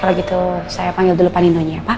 kalau gitu saya panggil dulu pak ninonya ya pak